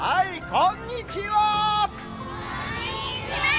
こんにちは。